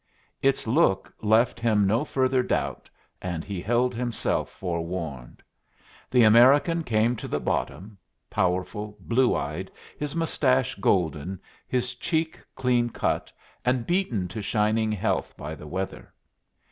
Its look left him no further doubt, and he held himself forewarned. The American came to the bottom, powerful, blue eyed, his mustache golden, his cheek clean cut, and beaten to shining health by the weather.